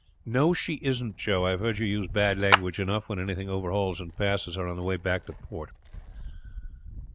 "No, she isn't, Joe. I have heard you use bad language enough when anything overhauls and passes her on the way back to port."